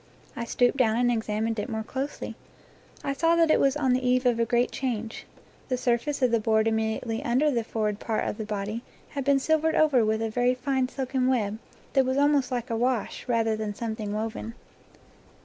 I stooped down and examined it more closely. I saw that it was on the eve of a great change. The surface of the board immediately under the forward part of the body had been silvered over with a very fine silken web that was almost like a wash, rather than something woven.